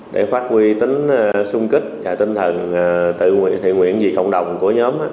để phát huy tính sung kích và tinh thần thị nguyện vì cộng đồng của nhóm